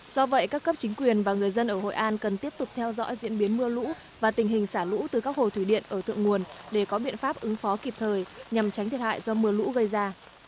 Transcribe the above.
do vậy các cấp chính quyền và người dân ở hội an cần tiếp tục theo dõi diễn biến mưa lũ và tình hình xả lũ từ các hồ thủy điện ở thượng nguồn để có biện pháp ứng phó kịp thời nhằm tránh thiệt hại do mưa lũ gây ra